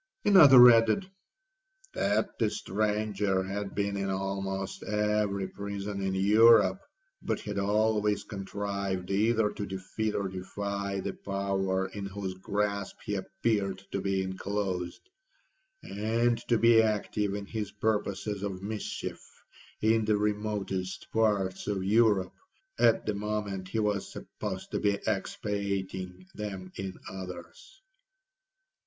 Another added, 'That the stranger had been in almost every prison in Europe, but had always contrived either to defeat or defy the power in whose grasp he appeared to be inclosed,—and to be active in his purposes of mischief in the remotest parts of Europe at the moment he was supposed to be expiating them in others.'